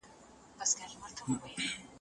ستونزي باید حل سي.